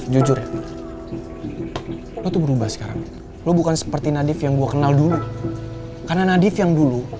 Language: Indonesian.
jujur itu berubah sekarang lu bukan seperti nadief yang gua kenal dulu karena nadief yang dulu